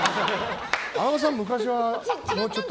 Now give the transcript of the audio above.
アナゴさん昔はもうちょっと。